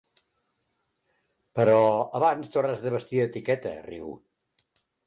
Però abans t'hauràs de vestir d'etiqueta —riu.